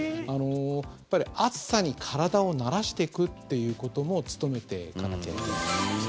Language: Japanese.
暑さに体を慣らしていくということも努めていかなきゃいけないです。